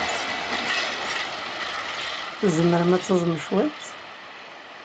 Tzemrem ad taẓem cwiṭ?